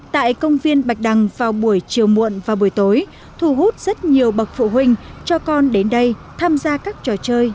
tại công viên bạch đằng vào buổi chiều muộn và buổi tối thu hút rất nhiều bậc phụ huynh cho con đến đây tham gia các trò chơi